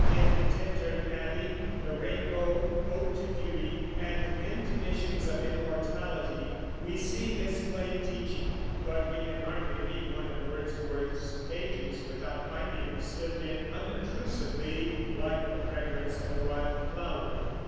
In "Tintern Abbey," "The Rainbow," "Ode to Duty," and "Intimations of Immortality" we see this plain teaching; but we can hardly read one of Wordsworth's pages without finding it slipped in unobtrusively, like the fragrance of a wild flower.